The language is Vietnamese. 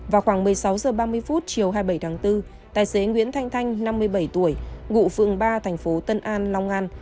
vào khoảng một mươi sáu h ba mươi chiều hai mươi bảy tháng bốn tài xế nguyễn thanh thanh năm mươi bảy tuổi ngụ phường ba thành phố tân an long an